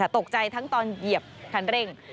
ตกใจทั้งตอนเหยียบคันเร่ง